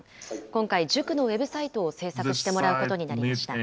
今回、塾のウェブサイトを制作してもらうことになりました。